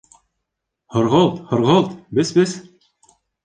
— Һорғолт, һорғолт, бес-бес!